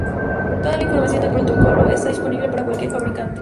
Toda la información del protocolo está disponible para cualquier fabricante.